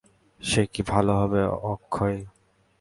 সে কি ভালো হবে অক্ষয়?